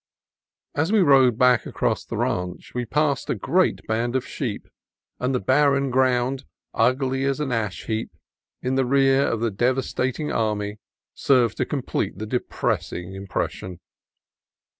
As we rode back across the ranch we passed a great band of sheep, and the barren ground, ugly as an ash heap, in the rear of the devastating army served to complete the depressing impression.